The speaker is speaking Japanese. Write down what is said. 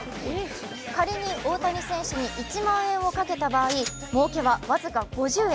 仮に大谷選手に１万円をかけた場合もうけは僅か５０円。